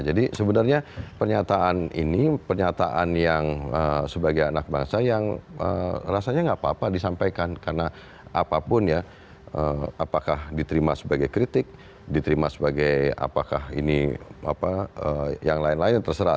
jadi sebenarnya pernyataan ini pernyataan yang sebagai anak bangsa yang rasanya tidak apa apa disampaikan karena apapun ya apakah diterima sebagai kritik diterima sebagai apakah ini yang lain lain terserah